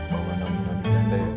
bawaan nomoran di danda ya